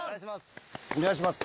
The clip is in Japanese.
お願いします。